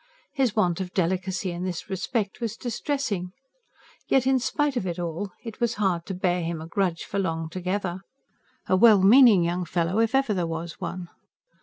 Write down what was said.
His want of delicacy in this respect was distressing. Yet, in spite of it all, it was hard to bear him a grudge for long together. A well meaning young beggar if ever there was one!